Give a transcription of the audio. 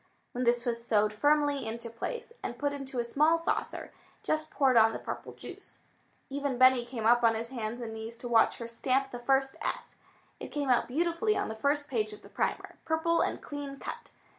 When this was sewed firmly into place, and put into a small saucer, Jess poured on the purple juice. Even Benny came up on his hands and knees to watch her stamp the first s. It came out beautifully on the first page of the primer, purple and clean cut.